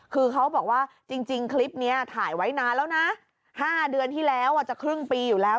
คือเขาบอกว่าจริงคลิปนี้ถ่ายไว้นานแล้วนะ๕เดือนที่แล้วจะครึ่งปีอยู่แล้ว